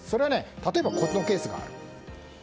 例えば、こんなケースがある。